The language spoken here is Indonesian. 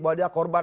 bahwa dia korban